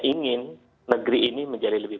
ingin negeri ini menjadi lebih